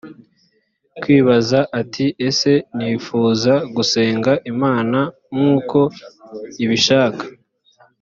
kwibaza ati ese nifuza gusenga imana nk uko ibishaka